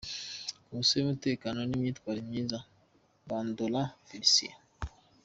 Komisiyo y’umutekano n’imyitwarire myiza : Bandora Félicien.